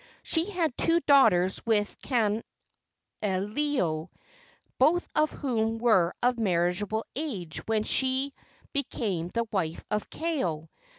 She had two daughters with Kaneoneo, both of whom were of marriageable age when she became the wife of Kaeo.